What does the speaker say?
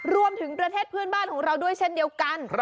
ประเทศเพื่อนบ้านของเราด้วยเช่นเดียวกัน